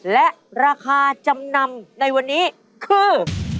และราคาจำนำในวันนี้คือ